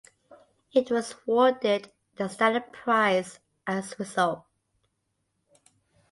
It was awarded the Stalin Prize as result.